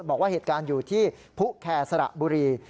บอกว่าเหตุการณ์อยู่ที่ผู้แคร์สระบุรี